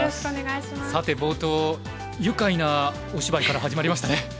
さて冒頭愉快なお芝居から始まりましたね。